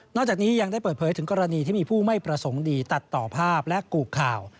จากนี้ยังได้เปิดเผยถึงกรณีที่มีผู้ไม่ประสงค์ดีตัดต่อภาพและกู่ข่าว